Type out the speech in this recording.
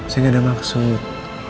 saya gak ada maksud